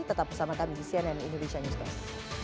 tetap bersama kami di cnn indonesia newscast